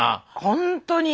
ほんとに。